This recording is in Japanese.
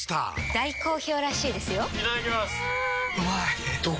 大好評らしいですよんうまい！